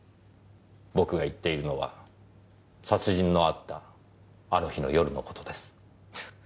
僕が言っているのは殺人のあったあの日の夜の事です。